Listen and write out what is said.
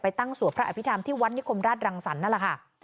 ตั้งสวดพระอภิษฐรรมที่วัดนิคมราชรังสรรคนั่นแหละค่ะ